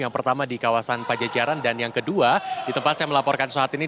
yang pertama di kawasan pajajaran dan yang kedua di tempat saya melaporkan saat ini